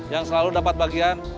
yang selalu dapat bagian